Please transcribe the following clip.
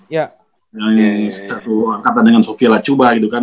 yang satu angkatan dengan sofia lacuba gitu kan